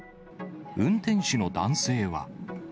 運転手の男性は。